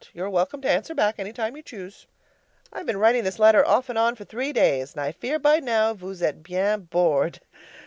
You are welcome to answer back any time you choose. I've been writing this letter off and on for three days, and I fear by now vous etes bien bored!